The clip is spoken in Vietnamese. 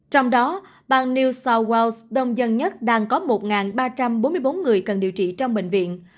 trong đó bang new south wals đông dân nhất đang có một ba trăm bốn mươi bốn người cần điều trị trong bệnh viện